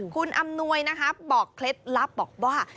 คุณอำนวยนะคะบอกเคล็ดลับบอกว่า